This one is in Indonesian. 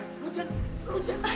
lu jangan lu jangan